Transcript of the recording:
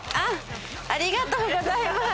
ありがとうございます。